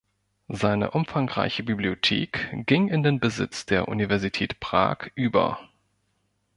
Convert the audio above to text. Seine umfangreiche Bibliothek ging in den Besitz der Universität Prag über.